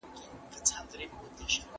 زه به سبا کتابونه ليکم.